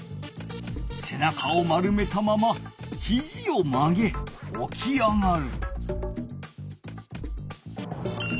せなかを丸めたままひじをまげおき上がる。